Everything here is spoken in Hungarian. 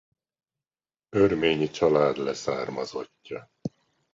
Örmény család leszármazottja.